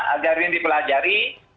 agar ini dipelajari